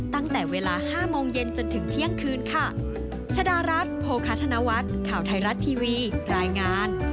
ตั้งแต่เวลา๕โมงเย็นจนถึงเที่ยงคืนค่ะ